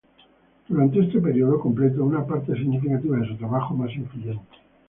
Durante este período, completó una parte significativa de su trabajo más influyente.